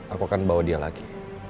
aku akan bawa dia lagi